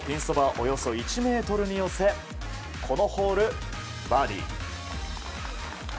およそ１ｍに寄せこのホール、バーディー。